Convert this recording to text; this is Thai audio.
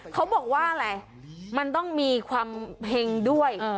เขาบอกว่าอะไรมันต้องมีความเห็งด้วย